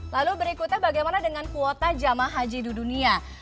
lalu berikutnya bagaimana dengan kuota jamaah haji di dunia